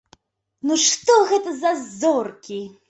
Ну што гэта за зоркі!